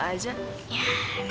kayak orang gila aja